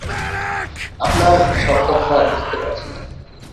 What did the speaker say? আপনার সব কথা বুঝতে পারছি না।